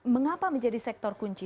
mengapa menjadi sektor kunci